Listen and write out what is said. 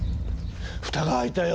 フタが開いたよ。